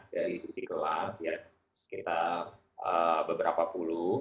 dari sisi kelas ya sekitar beberapa puluh